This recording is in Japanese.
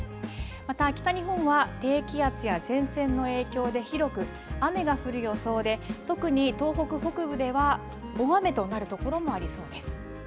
また北日本は低気圧や前線の影響で広く雨が降る予想で、特に東北北部では、大雨となる所もありそうです。